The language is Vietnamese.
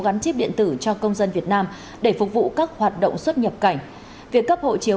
gắn chip điện tử cho công dân việt nam để phục vụ các hoạt động xuất nhập cảnh việc cấp hộ chiếu